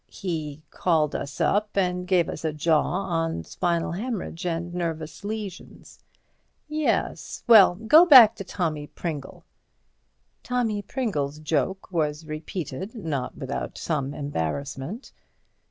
"He called us up and gave us a jaw on spinal hæmorrhage and nervous lesions." "Yes. Well, go back to Tommy Pringle." Tommy Pringle's joke was repeated, not without some embarrassment.